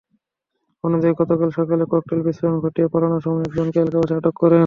অন্যদিকে গতকাল সকালে ককটেল বিস্ফোরণ ঘটিয়ে পালানোর সময় একজনকে এলাকাবাসী আটক করেন।